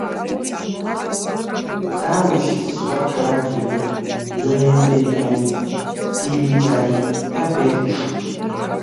ტავუშის სხვა ქალაქებია: ნოემბერიანი, დილიჯანი და ბერდი.